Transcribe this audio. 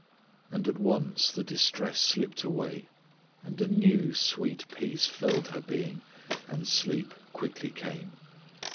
And at once the distress slipped away, and a new sweet peace filled her being, and sleep quickly came.